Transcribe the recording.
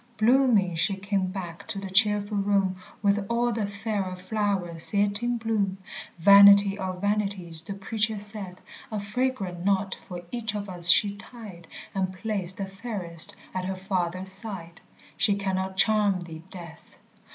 Blooming she came back to the cheerful room With all the fairer flowers yet in bloom Vanity of vanities the Preacher saith A fragrant knot for each of us she tied, And placed the fairest at her Father's side She cannot charm thee, Death.